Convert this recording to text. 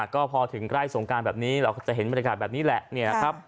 ก็พอถึงใกล้สงการแบบนี้เราก็จะเห็นบรรยากาศแบบนี้แหละ